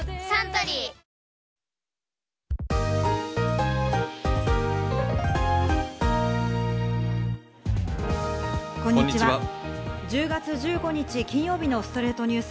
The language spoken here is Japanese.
１０月１５日、金曜日の『ストレイトニュース』。